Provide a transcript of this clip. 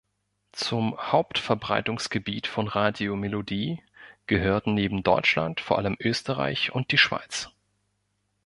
Zum Hauptverbreitungsgebiet von Radio Melodie gehörten neben Deutschland vor allem Österreich und die Schweiz.